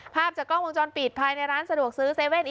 ภาพจากกล้องวงจรปิดภายในร้านสะดวกซื้อ๗๑๑